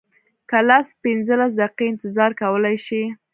که لس پنځلس دقیقې انتظار کولی شې.